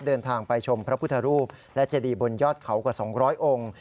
เดินทางไปชมพระพุทธรูปและเจดีบนยอดเขากว่า๒๐๐องค์